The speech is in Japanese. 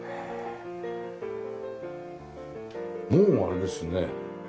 もうあれですね。